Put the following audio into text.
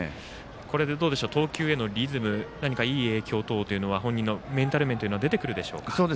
これで投球へのリズム何かいい影響本人のメンタル面など出てくるでしょうか。